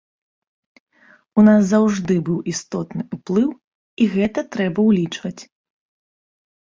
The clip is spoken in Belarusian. У нас заўжды быў істотны ўплыў і гэта трэба ўлічваць.